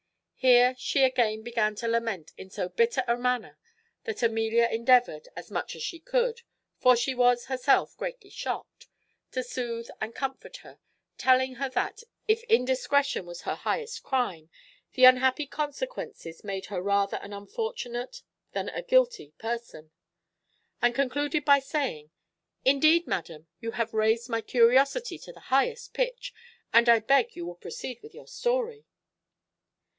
Here she again began to lament in so bitter a manner, that Amelia endeavoured, as much as she could (for she was herself greatly shocked), to soothe and comfort her; telling her that, if indiscretion was her highest crime, the unhappy consequences made her rather an unfortunate than a guilty person; and concluded by saying "Indeed, madam, you have raised my curiosity to the highest pitch, and I beg you will proceed with your story."